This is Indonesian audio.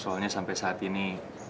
soalnya sampai saat ini